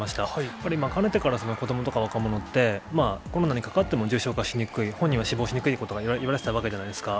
やっぱり今、かねてから子どもとか若者って、コロナにかかっても重症化しにくい、本人は死亡しにくいことがいわれていたわけじゃないですか。